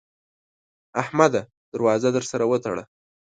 احمده! در وازه در سره وتړه.